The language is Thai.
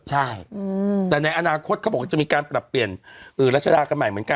ใช่แต่ในอนาคตเขาบอกว่าจะมีการปรับเปลี่ยนรัชดากันใหม่เหมือนกัน